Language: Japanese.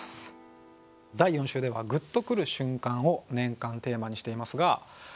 第４週では「グッとくる瞬間」を年間テーマにしていますが岡本さん